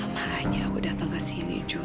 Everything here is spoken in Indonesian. makanya aku datang ke sini jo